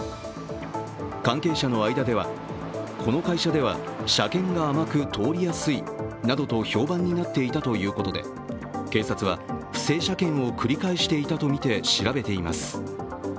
関係者の間では、この会社では車検が甘く通りやすいなどと評判になっていたということで警察は不正車検を繰り返していたとみて調べています。